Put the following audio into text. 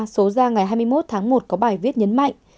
số ra ngày hai mươi một tháng một có bài viết nhấn mạnh